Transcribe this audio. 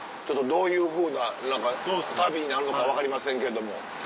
どういうふうな旅になるのか分かりませんけども。